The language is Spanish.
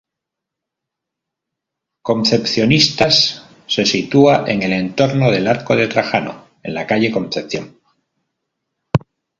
Concepcionistas se sitúa en el entorno del Arco de Trajano, en la calle Concepción.